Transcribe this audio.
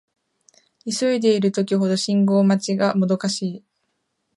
急いでいる時ほど信号待ちがもどかしい